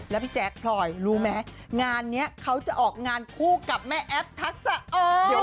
แล้วพี่แจ๊คพลอยรู้ไหมงานนี้เขาจะออกงานคู่กับแม่แอฟทักษะ